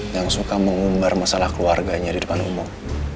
yang suka mengumbar masalah keluarganya di depan umum